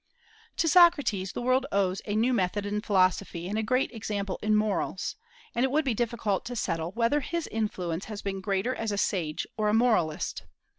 To Socrates the world owes a new method in philosophy and a great example in morals; and it would be difficult to settle whether his influence has been greater as a sage or as a moralist.